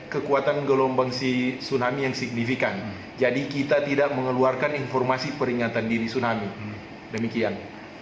kekuatan gelombang tsunami yang signifikan jadi kita tidak mengeluarkan informasi peringatan dini tsunami demikian